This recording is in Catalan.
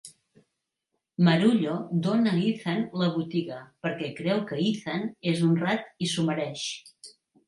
Marullo dona a Ethan la botiga perquè creu que Ethan és honrat i s'ho mereix.